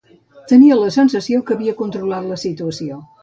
Tenia la sensació que havia controlat la situació.